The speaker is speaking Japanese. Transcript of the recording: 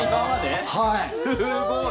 はい。